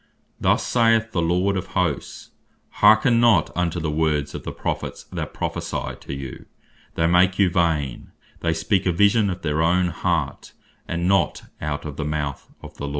"Thus saith the Lord of Hosts, hearken not unto the words of the Prophets, that prophecy to you. They make you vain, they speak a Vision of their own heart, and not out of the mouth of the Lord."